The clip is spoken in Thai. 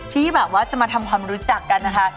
ที่แบบว่าจะมาทำความรู้จักกันนะคะ